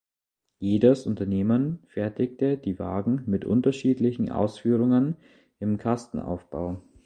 Jedes Unternehmen fertigte die Wagen mit unterschiedlichen Ausführungen im Kastenaufbau.